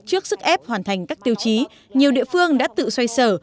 trước sức ép hoàn thành các tiêu chí nhiều địa phương đã tự xoay sở